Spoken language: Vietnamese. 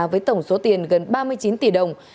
với tổng số tiền gần ba mươi chín tỷ đồng